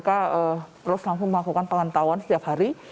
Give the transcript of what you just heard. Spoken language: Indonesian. mereka terus langsung melakukan pengetahuan setiap hari